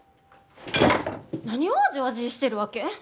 何をわじわじーしてるわけ？